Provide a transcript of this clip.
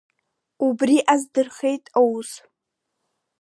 Убри аздырхеит аус.